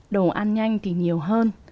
đồ ăn nhanh thì nhiều hơn